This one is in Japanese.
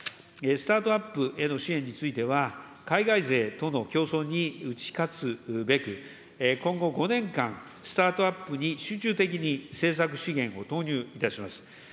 スタートアップへの支援については、海外勢との競争に打ち勝つべく、今後５年間、スタートアップに集中的に政策資源を投入いたします。